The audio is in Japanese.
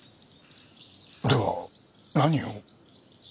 では何を？